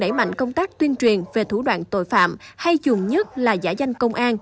đẩy mạnh công tác tuyên truyền về thủ đoạn tội phạm hay dùng nhất là giả danh công an